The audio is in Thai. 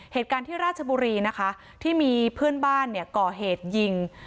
เหตุการณ์ที่ราชบุรีนะคะที่มีเพื่อนบ้านเนี่ยก่อเหตุยิง